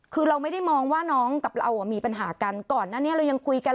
คือเราไม่ได้มองว่าน้องกับเราอ่ะมีปัญหากันก่อนหน้านี้เรายังคุยกัน